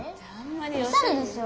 おしゃれでしょ！